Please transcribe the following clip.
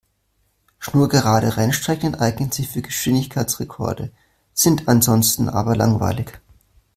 Schnurgerade Rennstrecken eignen sich für Geschwindigkeitsrekorde, sind ansonsten aber langweilig.